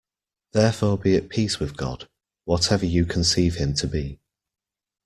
Therefore be at peace with God, whatever you conceive Him to be.